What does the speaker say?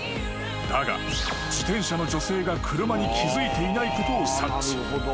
［だが自転車の女性が車に気付いていないことを察知］